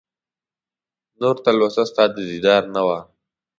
نور تلوسه ستا د دیدار نه وه